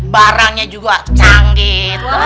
barangnya juga canggit